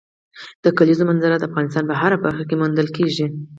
د کلیزو منظره د افغانستان په هره برخه کې موندل کېږي.